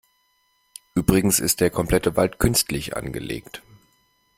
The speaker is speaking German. Übrigens ist der komplette Wald künstlich angelegt.